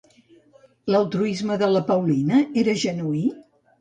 L'altruisme de la Paulina era genuí?